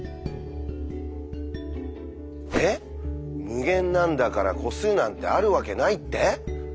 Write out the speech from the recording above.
「無限なんだから個数なんてあるわけない」って？